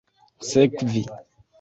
sekvi